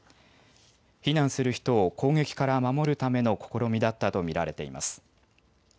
避難する人を攻撃から守るための試みだったと見られています。